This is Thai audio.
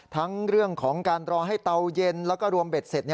ทั้งเรื่องของการรอให้เตาเย็นแล้วก็รวมเบ็ดเสร็จ